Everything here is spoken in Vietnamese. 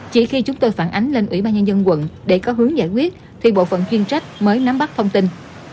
chỉ khi chúng tôi phản ánh lên ủy ban nhân dân quận để có hướng giải quyết thì bộ phận chuyên trách mới nắm bắt thông tin